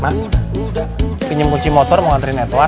ma pinjem kunci motor mau antarin edward